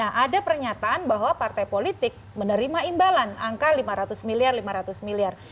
nah ada pernyataan bahwa partai politik menerima imbalan angka lima ratus miliar lima ratus miliar